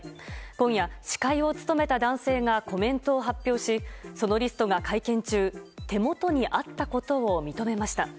今夜、司会を務めた男性がコメントを発表しそのリストが会見中手元にあったことを認めました。